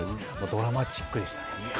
ドラマチックでしたね。